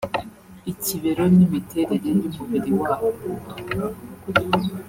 ikibero n’imiterere y’umubiri wabo